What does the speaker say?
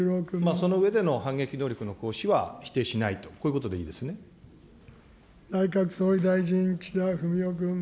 その上での反撃能力の行使は否定しないと、こういうことでい内閣総理大臣、岸田文雄君。